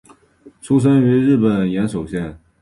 出身于日本岩手县。